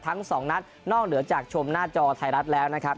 ทั้งสองนัดนอกเหนือจากชมหน้าจอไทยรัฐแล้วนะครับ